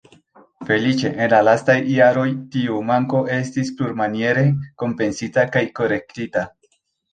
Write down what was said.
Feliĉe, en la lastaj jaroj, tiu manko estis plurmaniere kompensita kaj korektita.